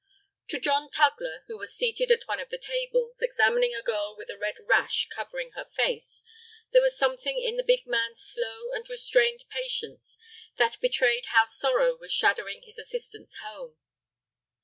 To John Tugler, who was seated at one of the tables, examining a girl with a red rash covering her face, there was something in the big man's slow and restrained patience that betrayed how sorrow was shadowing his assistant's home.